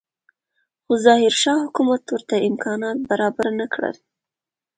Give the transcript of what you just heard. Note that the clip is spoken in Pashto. خو ظاهرشاه حکومت ورته امکانات برابر نه کړل.